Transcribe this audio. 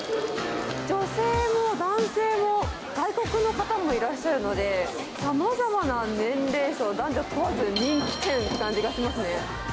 女性も男性も、外国の方もいらっしゃるので、さまざまな年齢層、男女問わず人気店という感じがしますね。